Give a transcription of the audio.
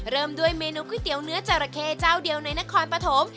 เริ่มด้วยเมนูก๋วยเตี๋ยวเนื้อจราเข้เจ้าเดียวในนครปฐม